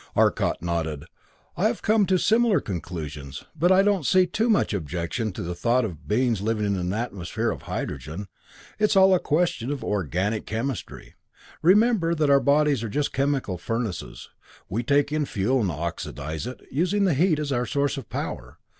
Arcot nodded. "I have come to similar conclusions. But I don't see too much objection to the thought of beings living in an atmosphere of hydrogen. It's all a question of organic chemistry. Remember that our bodies are just chemical furnaces. We take in fuel and oxidize it, using the heat as our source of power.